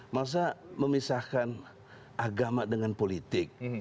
masa memisahkan agama dengan politik